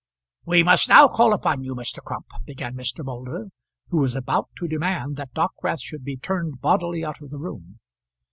"We must now call upon you, Mr. Crump," began Mr. Moulder, who was about to demand that Dockwrath should be turned bodily out of the room.